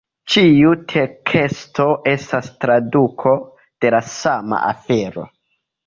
Ĉiu teksto estas traduko de la sama afero.